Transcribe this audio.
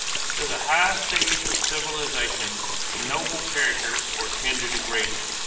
Does a high stage of civilization ennoble character or tend to degrade it?